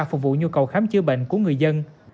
phục vụ nhu cầu khám chữa bệnh của người dân